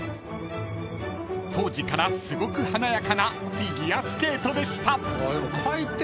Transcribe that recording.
［当時からすごく華やかなフィギュアスケートでした］